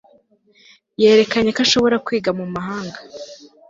Yerekanye ko ashobora kwiga mu mahanga